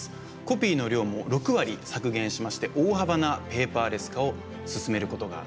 コピーの量も６割削減しまして大幅なペーパーレス化を進めることができました。